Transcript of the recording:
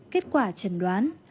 kết quả chẩn đoán